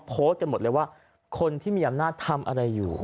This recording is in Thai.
โพสต์กันหมดเลยว่าคนที่มีอำนาจทำอะไรอยู่